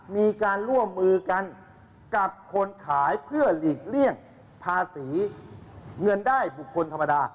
มีการร่วมมือกันกับคนขายเพื่อหลีกเลี่ยงภาษีเงินได้บุคคลธรรมดา